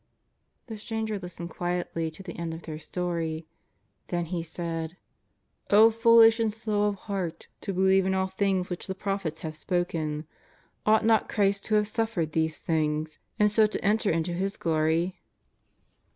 The Stranger listened quietly to the end of their story. Thgn He said: *' O foolish and slow of heart to believe in all things which the prophets have spoken. Ought not Christ to have suffered these things, and so to enter into His glory